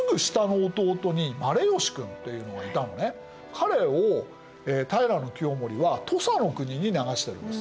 彼を平清盛は土佐の国に流してるんです。